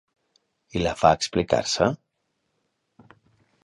I la fa explicar-se?